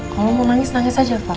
kalau mau nangis nangis saja pak